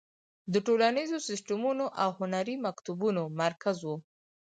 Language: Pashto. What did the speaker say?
د ټولنیزو سیستمونو او هنري مکتبونو مرکز و.